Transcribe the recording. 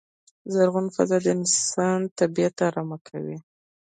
زرغونه فضا د انسان طبیعت ارامه کوی.